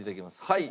はい。